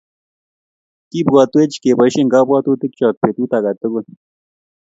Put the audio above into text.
Kibwatwech keboishen kabwatutikchook betut age tugul